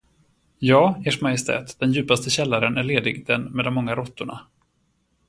Ja, ers majestät, den djupaste källaren är ledig, den med de många råttorna.